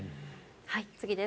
次です。